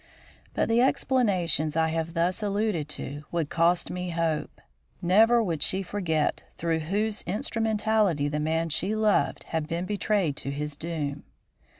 But the explanations I have thus alluded to would cost me Hope. Never would she forget through whose instrumentality the man she loved had been betrayed to his doom.